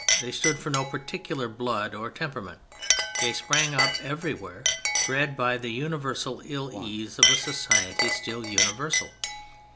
They stood for no particular blood or temperament; they sprang up everywhere, bred by the universal ill ease of a society still universal.